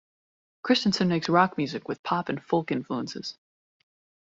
Christensen makes rock music with pop and folk influences.